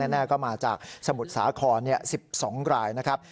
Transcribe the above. แน่ก็มาจากสมุทรสาคร๑๒รายนะครับ